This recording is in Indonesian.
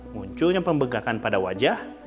munculnya pembegakan pada wajah